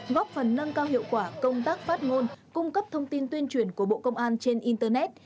góp phần nâng cao hiệu quả công tác phát ngôn cung cấp thông tin tuyên truyền của bộ công an trên internet